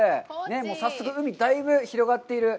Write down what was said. もう早速、海がだいぶ広がっている。